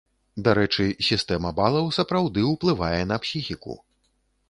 Дарэчы, сістэма балаў сапраўды ўплывае на псіхіку.